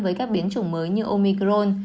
với các biến chủng mới như omicron